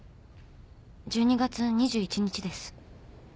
１２月２１日です。